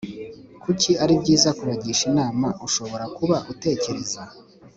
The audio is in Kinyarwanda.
Kuki ari byiza kubagisha inama ushobora kuba utekereza